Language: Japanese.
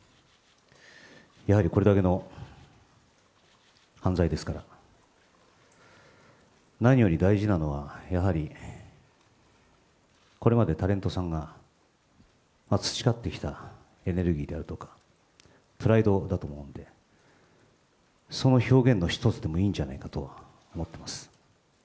やはりこれだけの犯罪ですから、何より大事なのは、やはりこれまでタレントさんが培ってきたエネルギーであるとか、プライドだと思うんで、その表現の一つでもいいんじゃないかと思ってます。